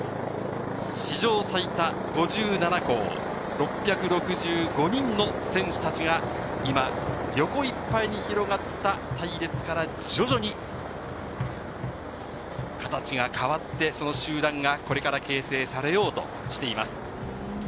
史上最多５７校、６６５人の選手たちが今、横いっぱいに広がった隊列から徐々に形が変わって、その集団がこれから形成されようとしています。